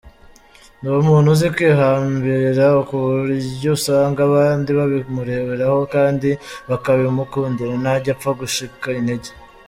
Ni umuntu uzi kwihambira kuburyo usanga abandi babimureberaho kandi bakabimukundira, ntajya apfa gucika intege.